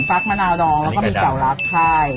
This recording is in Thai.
ฟลากมะนาวดองแล้วก็แก่วรัก